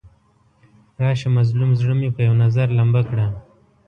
راشه مظلوم زړه مې په یو نظر لمبه کړه.